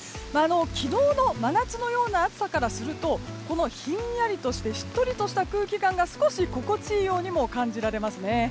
昨日の真夏のような暑さからするとこのひんやりとしてしっとりとした空気感が少し心地いいようにも感じられますね。